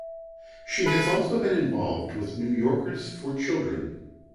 She has also been involved with New Yorkers For Children.